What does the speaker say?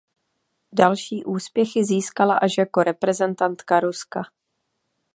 Další úspěchy získala až jako reprezentantka Ruska.